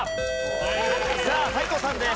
さあ斎藤さんです。